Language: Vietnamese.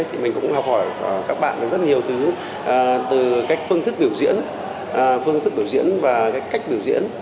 thì mình cũng học hỏi các bạn về rất nhiều thứ từ cách phương thức biểu diễn phương thức biểu diễn và cái cách biểu diễn